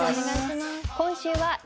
今週は。